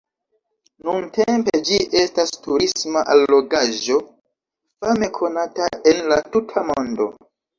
Nuntempe ĝi estas turisma allogaĵo fame konata en la tuta mondo.